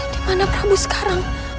dimana prabu sekarang